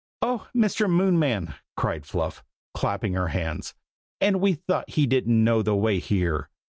"Oh! Mr. Moonman!" cried Fluff, clapping her hands. "And we thought he didn't know the way here!